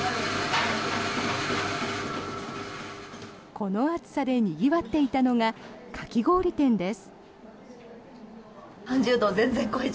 この暑さでにぎわっていたのがかき氷店です。